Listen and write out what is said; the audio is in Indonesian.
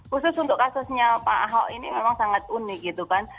khusus untuk kasusnya pak ahok ini memang sangat unik gitu kan